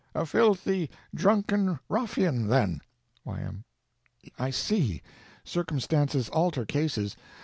A filthy, drunken ruffian, then? Y.M. I see. Circumstances alter cases.